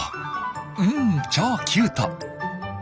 うん超キュート！